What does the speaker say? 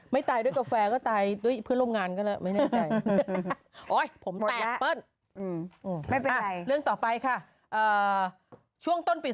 ไม่ถึงทั้งนั้นหรอกก็ปกติ